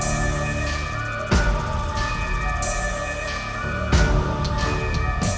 jadi angelia akan ikutin dia juga ya